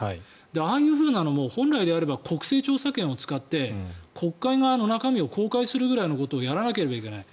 ああいうのも本来であれば国政調査権を使って国会側があの中身を公開するぐらいのことをやらなければいけない。